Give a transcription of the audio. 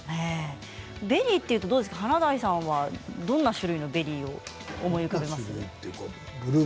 ベリーというと華大さんはどんな種類を思い浮かべますか？